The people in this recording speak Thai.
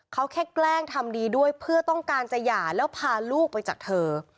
เขาแค่แกล้งทำดีด้วยเพื่อต้องการจะหย่าแล้วพาลูกไปจากเธอ